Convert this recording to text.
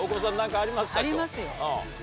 ありますよ。